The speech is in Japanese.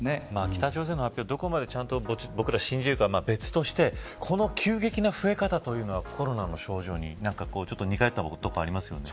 北朝鮮の発表をどこまで信じるかは別としてこの急激な増え方というのはコロナの症状に似かよったところがありますよね。